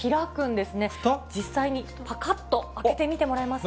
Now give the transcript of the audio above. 実際にぱかっと開けてみてもらえますか。